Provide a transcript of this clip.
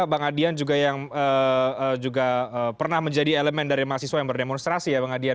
bang adian juga yang juga pernah menjadi elemen dari mahasiswa yang berdemonstrasi ya bang adian